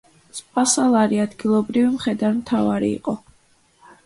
სპასალარი ადგილობრივი მხედართმთავარი იყო.